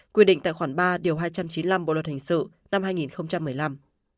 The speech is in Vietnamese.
quyết định tại khoảng ba hai trăm chín mươi năm bộ luật hình sự năm hai nghìn một mươi năm